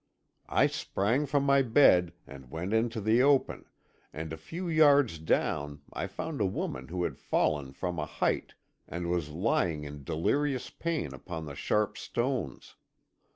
I sprang from my bed, and went into the open, and a few yards down I found a woman who had fallen from a height, and was lying in delirious pain upon the sharp stones.